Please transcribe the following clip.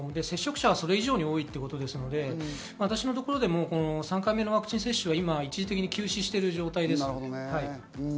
接触者はそれ以上に多いので、私のところでも３回目のワクチン接種は今一時的に休止している状態です。